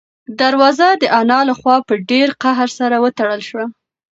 دروازه د انا له خوا په ډېر قهر سره وتړل شوه.